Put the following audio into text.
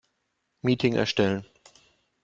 Meeting erstellen.